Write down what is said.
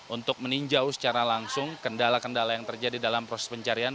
untuk meninjau secara langsung kendala kendala yang terjadi dalam proses pencarian